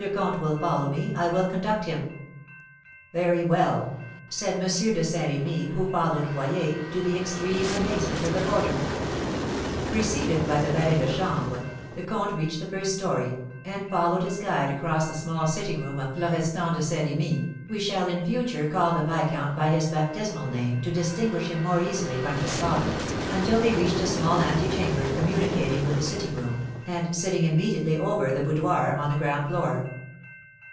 le Comte will follow me, I will conduct him " "Very well!" said M. de Saint Remy, who followed Boyer, to the extreme amazement of the porter. Preceded by the valet de chambre, the comte reached the first story, and followed his guide across the small sitting room of Florestan de Saint Remy (we shall in future call the viscount by his baptismal name to distinguish him more easily from his father) until they reached a small antechamber communicating with the sitting room, and sitting immediately over the boudoir on the ground floor.